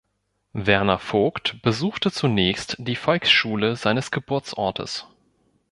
Werner Vogt besuchte zunächst die Volksschule seines Geburtsortes.